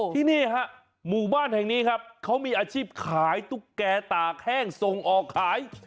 ที่นี่ฮะหมู่บ้านแห่งนี้ครับเขามีอาชีพขายตุ๊กแก่ตากแห้งส่งออกขาย